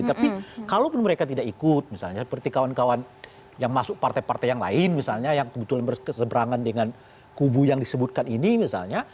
tapi kalaupun mereka tidak ikut misalnya seperti kawan kawan yang masuk partai partai yang lain misalnya yang kebetulan berseberangan dengan kubu yang disebutkan ini misalnya